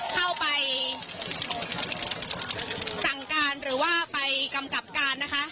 เข้าไปสั่งการหรือว่าไปกำกับการนะคะ